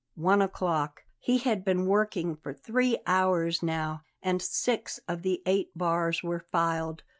One o'clock. He had been working for three hours now, and six of the eight bars were filed.